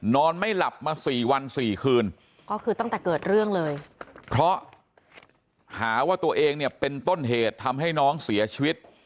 นอนไม่หลับมาสี่วันสี่คืนก็คือตั้งแต่เกิดเรื่องเลยเพราะหาว่าตัวเองเนี่ยเป็นต้นเหตุทำให้น้องเสียชีวิต